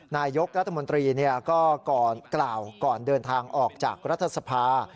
นายกรัฐมนตรีก็ก่อนกล่าวก่อนเดินทางออกจากรัฐสภา